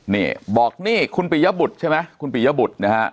นี่บอกนี่คุณปิยบุตรใช่ไหมคุณปิยบุตรนะฮะ